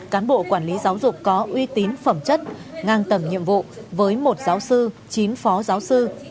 cán bộ quản lý giáo dục có uy tín phẩm chất ngang tầm nhiệm vụ với một giáo sư chín phó giáo sư